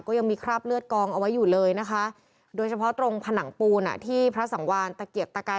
ก็ยังมีคราบเลือดกองเอาไว้อยู่เลยนะคะโดยเฉพาะตรงผนังปูนอ่ะที่พระสังวานตะเกียกตะกาย